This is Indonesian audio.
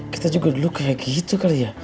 kita juga dulu kayak gitu kali ya